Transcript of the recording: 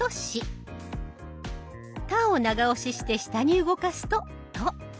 「た」を長押しして下に動かすと「と」。